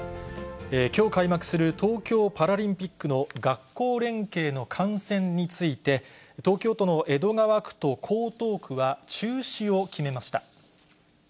きょう開幕する東京パラリンピックの学校連携の観戦について、東京都の江戸川区と江東区は、中止を決めました。